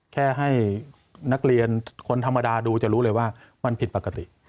แค่ให้นักเรียนคนธรรมดาดูจะรู้เลยว่ามันผิดปกติ